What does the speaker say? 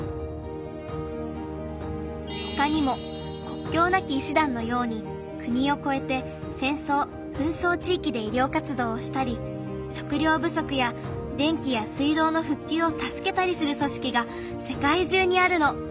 ほかにも国境なき医師団のように国をこえて戦争・紛争地域で医りょう活動をしたり食料ぶそくや電気や水道のふっきゅうを助けたりするそしきが世界中にあるの。